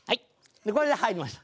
これで入りました。